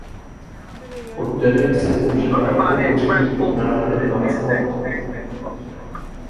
Oddenek se používá jako koření pod názvem zázvor.